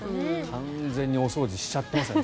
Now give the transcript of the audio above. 完全にお掃除しちゃってますね。